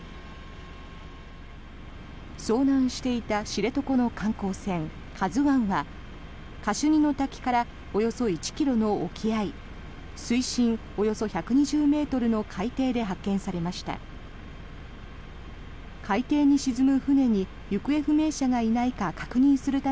遭難していた知床の観光船「ＫＡＺＵ１」はカシュニの滝からおよそ１ｋｍの沖合およそ水深１２０ｍの海底で発見されました。